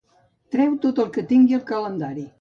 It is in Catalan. Treu tot el que tingui al calendari.